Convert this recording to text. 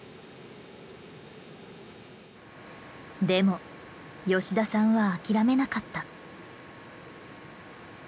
でも吉田さんは諦めなかった。